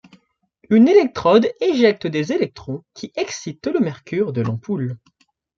Une électrode éjecte des électrons, qui excitent le mercure de l'ampoule.